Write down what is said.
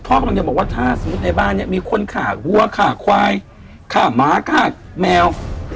พ่อกำลังจะบอกว่าถ้าสมมุติในบ้านเนี่ยมีคนฆ่าวัวฆ่าควายฆ่าหมาฆ่าแมว